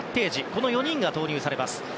この４人が投入されます。